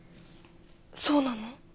そうなの？